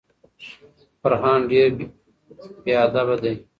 فرهان ډیر بیادبه دی.